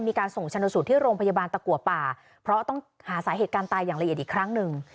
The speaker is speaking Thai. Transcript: มีการส่งชนสูตรที่โรงพยาบาลตะกัวป่าเพราะต้องหาสาเหตุการณ์ตายอย่างละเอียดอีกครั้งหนึ่ง